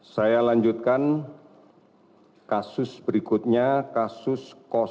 saya lanjutkan kasus berikutnya kasus satu